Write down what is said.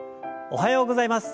おはようございます。